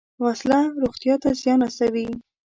وسله روغتیا ته زیان رسوي